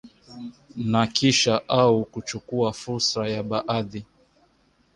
na kisha au kuchukua fursa ya baadhi